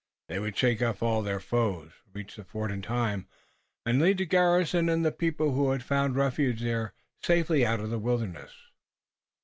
They would shake off all their foes, reach the fort in time, and lead the garrison and the people who had found refuge there safely out of the wilderness.